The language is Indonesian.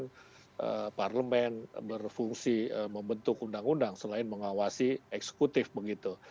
ini juga mengawasi parlement berfungsi membentuk undang undang selain mengawasi eksekutif begitu